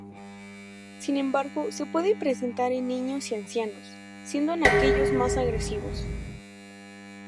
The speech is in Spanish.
Sin embargo, se pueden presentar en niños y ancianos, siendo en aquellos más agresivos.